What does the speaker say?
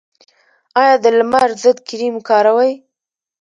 ایا د لمر ضد کریم کاروئ؟